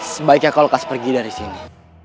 sebaiknya kau lepas pergi dari sini